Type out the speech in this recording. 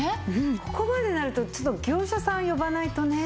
ここまでなるとちょっと業者さん呼ばないとね。